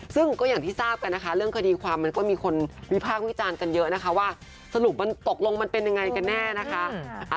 ซึ่งก็อย่างที่ทราบกันนะคะเรื่องคดีความมันก็มีคนวิพากษ์วิจารณ์กันเยอะนะคะว่าสรุปมันตกลงมันเป็นยังไงกันแน่นะคะ